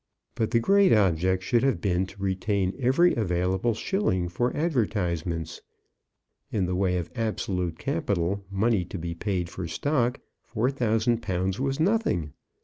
But the great object should have been to retain every available shilling for advertisements. In the way of absolute capital, money to be paid for stock, 4,000_l._ was nothing.